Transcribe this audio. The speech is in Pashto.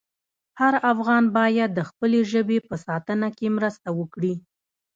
هر افغان باید د خپلې ژبې په ساتنه کې مرسته وکړي.